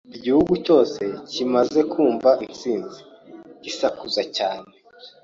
Igihugu cyose kimaze kumva intsinzi, gisakuza cyane.